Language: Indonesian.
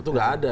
itu gak ada